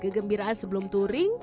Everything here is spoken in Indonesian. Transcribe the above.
kegenbiraan sebelum touring